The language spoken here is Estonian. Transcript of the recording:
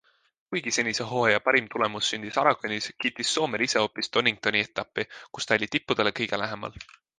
Kuigi senise hooaja parim tulemus sündis Aragonis, kiitis Soomer ise hoopis Doningtoni etappi, kus ta oli tippudele kõige lähemal.